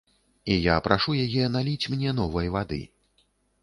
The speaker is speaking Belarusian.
І я прашу яе наліць мне новай вады.